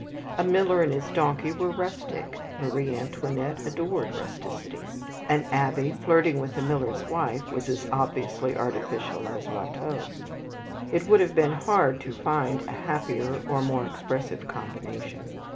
A miller and his donkey were rustic (Marie Antoinette adored rusticity); an abbe flirting with a miller's wife was as obviously artificial as Watteau. It would have been hard to find a happier or more expressive combination.